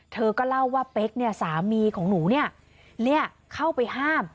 เธอก็เล่าว่าเป๊กเนี่ยสามีของหนูเข้าไปห้าม